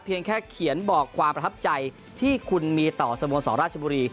แค่เขียนบอกความประทับใจที่คุณมีต่อสโมสรราชบุรี